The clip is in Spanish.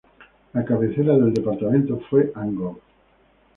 La cabecera del departamento fue Angol.